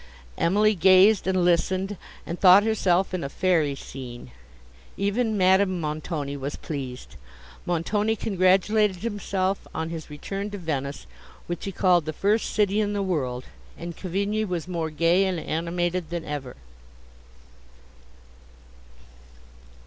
Emily gazed, and listened, and thought herself in a fairy scene; even Madame Montoni was pleased; Montoni congratulated himself on his return to Venice, which he called the first city in the world, and Cavigni was more gay and animated than ever.